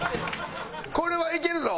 これはいけるぞ。